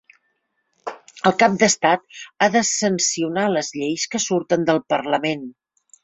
El cap d'estat ha de sancionar les lleis que surten del parlament.